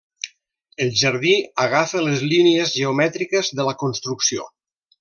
El jardí agafa les línies geomètriques de la construcció.